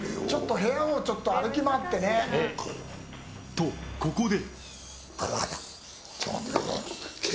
と、ここで。